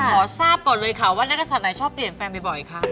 ขอทราบก่อนเลยค่ะว่านักศัตริย์ไหนชอบเปลี่ยนแฟนบ่อยคะ